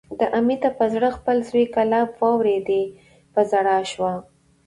د امیة پر زړه خپل زوی کلاب واورېدی، په ژړا شو